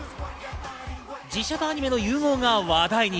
実写とアニメの融合が話題に。